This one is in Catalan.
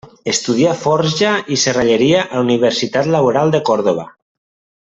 Estudià forja i serralleria a la Universitat Laboral de Còrdova.